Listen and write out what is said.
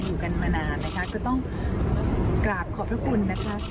อยู่กันมานานนะคะก็ต้องกราบขอบพระคุณนะคะ